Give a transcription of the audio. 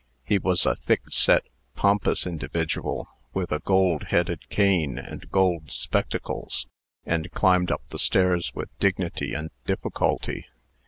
He was a thick set, pompous individual, with a gold headed cane and gold spectacles, and climbed up the stairs with dignity and difficulty.